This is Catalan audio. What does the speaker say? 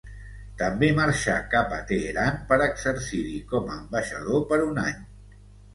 També marxà cap a Teheran per exercir-hi com a ambaixador per un any.